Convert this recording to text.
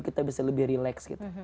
kita bisa lebih relax gitu